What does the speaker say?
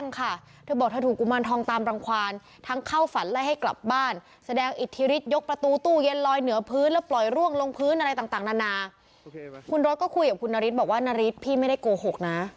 คุณรถก็คุยกับคุณนฤทธิบอกว่านาริสพี่ไม่ได้โกหกนะ